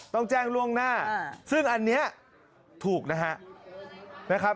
ต้องแจ้งล่วงหน้าซึ่งอันนี้ถูกนะครับ